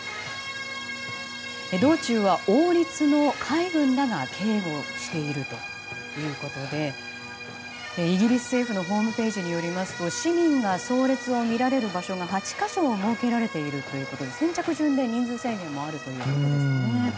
道中は王立の海軍らが警護しているということでイギリス政府のホームページによりますと市民が葬列を見られる場所が８か所設けられているということで先着順で人数制限もあるということですね。